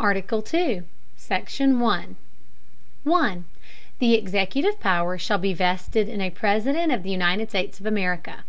ARTICLE. II. SECTION, 1. The executive Power shall be vested in a President of the United States of America.